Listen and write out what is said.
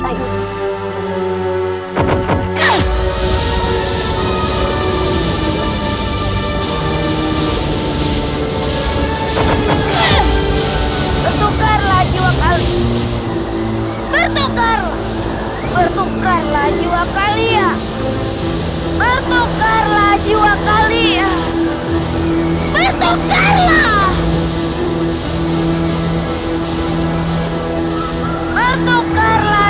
bertukarlah jiwa kalian bertukarlah bertukarlah jiwa kalian bertukarlah jiwa kalian bertukarlah